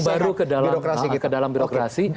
membawa habit yang baru ke dalam birokrasi